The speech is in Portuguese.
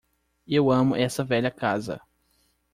Eu amo essa velha casa.